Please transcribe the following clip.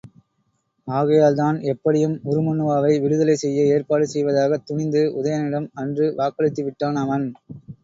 ஆகையால்தான், எப்படியும் உருமண்ணுவாவை விடுதலை செய்ய ஏற்பாடு செய்வதாகத் துணிந்து உதயணனிடம் அன்று வாக்களித்துவிட்டான் அவன்.